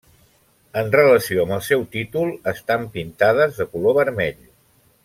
En relació amb el seu títol, estan pintades de color vermell.